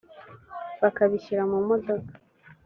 bakabishyira mu modoka